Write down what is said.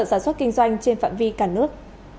sản xuất kinh doanh trên phạm vi cả nước